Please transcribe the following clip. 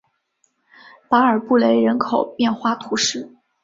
达尔布雷人口变化图示